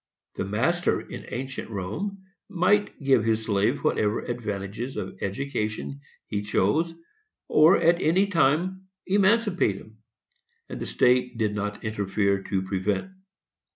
The master, in ancient Rome, might give his slave whatever advantages of education he chose, or at any time emancipate him, and the state did not interfere to prevent.